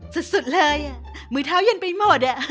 สุดเลยมือเท้าเย็นไปหมด